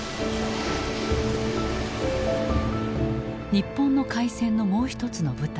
日本の開戦のもう一つの舞台